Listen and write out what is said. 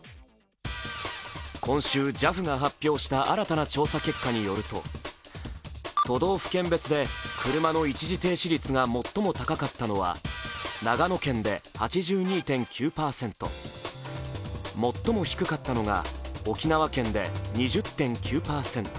今週ＪＡＦが発表した新たな調査結果によると都道府県別で車の一時停止率が最も高かったのが長野県で８２．９％最も低かったのが沖縄県で２０．９％。